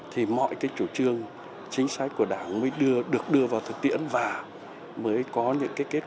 thì mọi cái chủ trương chính sách của đảng mới được đưa vào thực tiễn